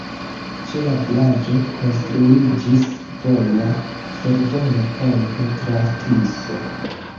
Ĉe la vilaĝo konstruiĝis voja-fervoja ponto tra Tiso.